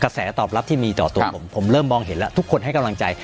แสตอบรับที่มีต่อตัวผมผมเริ่มมองเห็นแล้วทุกคนให้กำลังใจ